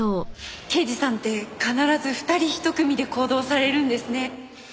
刑事さんって必ず二人一組で行動されるんですね。